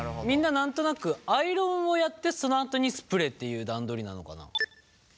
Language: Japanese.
みんな何となくアイロンをやってそのあとにスプレーっていう段取りなのかな？